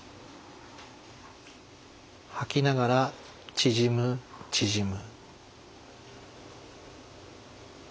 吐きながら「縮む縮む」。